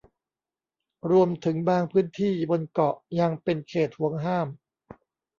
รวมถึงบางพื้นที่บนเกาะยังเป็นเขตหวงห้าม